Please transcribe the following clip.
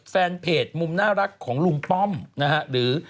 แฟนเพจมุมน่ารักของลุงป้อมนะฮะหรือ